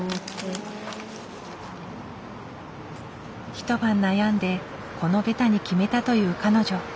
一晩悩んでこのベタに決めたという彼女。